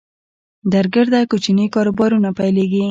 درګرده کوچني کاروبارونه پیلېږي